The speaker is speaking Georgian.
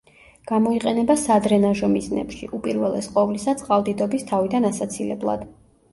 გამოიყენება სადრენაჟო მიზნებში, უპირველეს ყოვლისა, წყალდიდობის თავიდან ასაცილებლად.